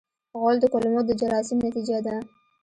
غول د کولمو د جراثیم نتیجه ده.